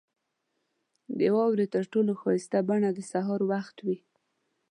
• د واورې تر ټولو ښایسته بڼه د سهار وخت وي.